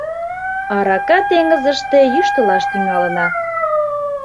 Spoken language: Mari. Арака теҥызыште йӱштылаш тӱҥалына...